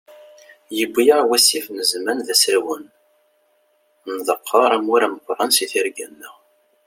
Yewwi-yaɣ wasif n zzman d asawen, nḍeqqer amur ameqran si tirga-nneɣ.